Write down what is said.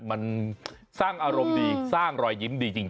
มันสร้างอารมณ์ดีสร้างรอยยิ้มดีจริง